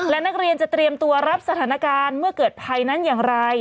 และนักเรียนจะเตรียมตัวรับสถานการณ์เมื่อเกิดภัยนั้นอย่างไร